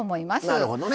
なるほどね。